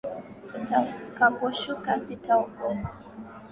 Utakaposhuka sitaogopa